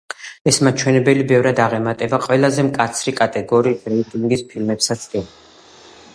ეს მაჩვენებელი ბევრად აღემატება ყველაზე მკაცრი კატეგორიის რეიტინგის ფილმებსაც კი.